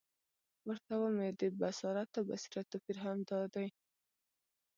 ورته ومي د بصارت او بصیرت توپیر همد دادی،